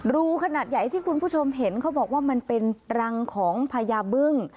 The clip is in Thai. รูขนาดใหญ่ที่คุณผู้ชมเห็นเขาบอกว่ามันเป็นรังของพญาบึ้ง